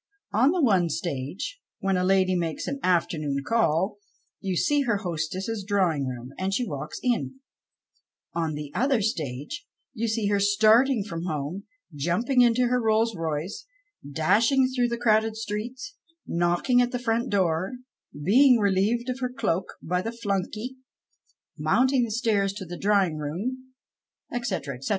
On the one stage, when a lady makes an afternoon call, you see her hostess's drawing room, and she walks in ; on the other stage you see her starting from home, jumjiing into her Rolls Royce, dashing through the crowded streets, knocking at the front door, being relieved of her cloak by the flunkey, mounting the stiiirs to the 21U PASTICHE AND PREJUDICE drawing room, etc., etc.